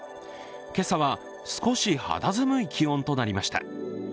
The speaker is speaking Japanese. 今朝は少し肌寒い気温となりました。